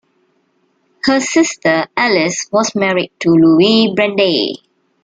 Her sister, Alice, was married to Louis Brandeis.